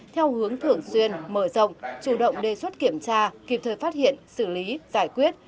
theo hướng thường xuyên mở rộng chủ động đề xuất kiểm tra kịp thời phát hiện xử lý giải quyết